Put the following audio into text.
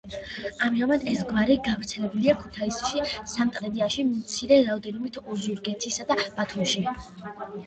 ამჟამად ეს გვარი გავრცელებულია ქუთაისში, სამტრედიაში, მცირე რაოდენობით ოზურგეთსა და ბათუმში.